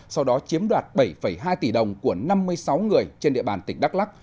sau đó chiếm đoạt bảy hai tỷ đồng của năm mươi sáu người trên địa bàn tỉnh đắk lắc